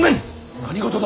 何事だ。